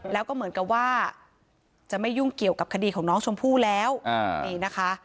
แล้วก็เหมือนกับว่าจะไม่ยุ่งเกี่ยวกับคดีของน้องชมพู่แล้วนี่นะคะ